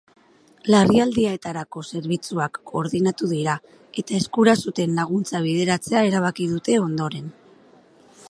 Larrialdietarako zerbitzuak koordinatu dira, eta eskura zuten laguntza bideratzea erabaki dute ondoren.